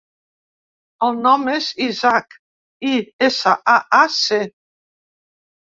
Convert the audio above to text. El nom és Isaac: i, essa, a, a, ce.